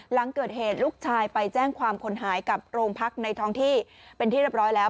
หลังเกิดเหตุลูกชายไปแจ้งความคนหายกับโรงพักในท้องที่เป็นที่เรียบร้อยแล้ว